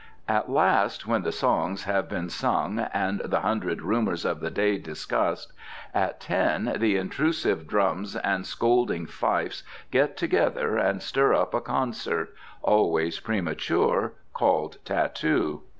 At last, when the songs have been sung and the hundred rumors of the day discussed, at ten the intrusive drums and scolding fifes get together and stir up a concert, always premature, called tattoo.